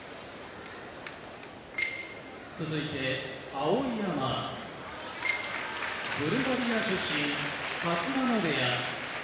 碧山ブルガリア出身春日野部屋